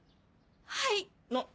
はい！